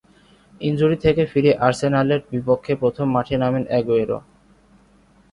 Injury থেকে ফিরে আর্সেনালের বিপক্ষে প্রথম মাঠে নামেন আগুয়েরো।